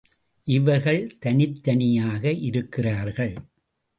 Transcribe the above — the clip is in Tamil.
இவர்கள் தனித்தனியாக இருக்கிறார்கள்.